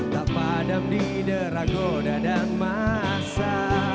tak padam di dera goda dan massa